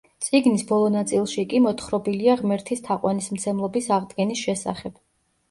წიგნის ბოლო ნაწილში კი მოთხრობილია ღმერთის თაყვანისმცემლობის აღდგენის შესახებ.